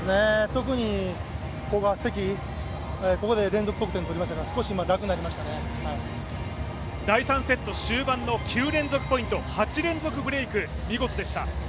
特に古賀、関、ここで連続得点を取れましたから第３セット終盤の９連続ポイント、８連続ブレイク見事でした。